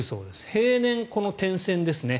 平年、この点線ですね。